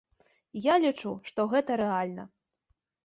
Я лічу, што гэта рэальна.